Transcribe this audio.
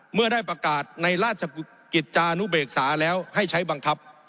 เมื่อได้ประกาศในราชกิจจานุเบกษาแล้วให้ใช้บังคับ